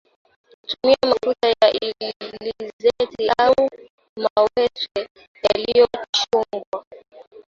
Tumia mafuta ya alizeti au mawese yaliyochujwa